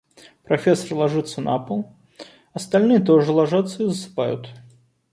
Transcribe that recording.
Профессор ложится на пол, остальные тоже ложатся и засыпают.